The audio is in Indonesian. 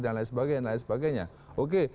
dan lain sebagainya oke